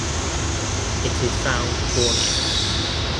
It is found Borneo.